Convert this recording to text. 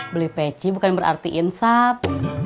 beli peci bukan berarti insaf